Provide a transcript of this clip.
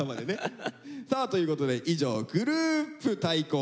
さあということで以上「グループ対抗！